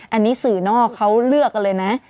อันนี้สื่อนอกเขาเลือกกันเลยนะ